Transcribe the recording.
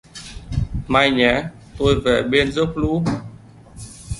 Mai nhé! Tôi về bên dốc lũ